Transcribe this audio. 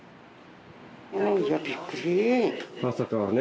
まさかね。